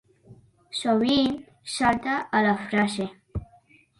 Sovint salta a la frase.